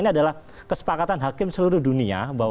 ini adalah kesepakatan hakim seluruh dunia